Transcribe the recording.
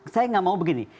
saya tidak mau begini